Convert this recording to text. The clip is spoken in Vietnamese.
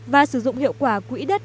và sử dụng hiệu quả quỹ đất